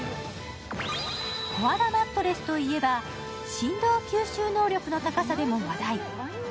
コアラマットレスといえば、振動吸収能力の高さでも話題。